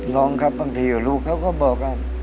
ร้องครับบางทีลูกเขาก็บอกว่า